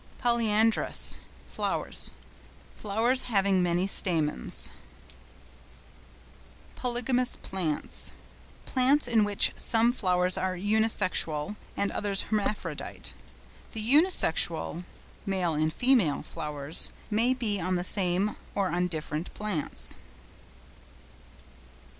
POLYANDROUS (flowers).—Flowers having many stamens. POLYGAMOUS PLANTS.—Plants in which some flowers are unisexual and others hermaphrodite. The unisexual (male and female) flowers, may be on the same or on different plants.